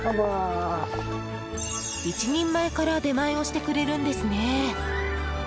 １人前から出前をしてくれるんですね。